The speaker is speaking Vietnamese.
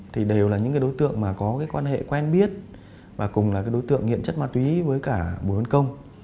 thì đều là những cái đối tượng mà có cái quan hệ quen biết và cùng là cái đối tượng nghiện chất ma túy với cả bùi văn công